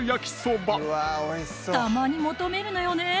たまに求めるのよね